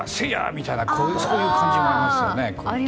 みたいな感じもありますよね。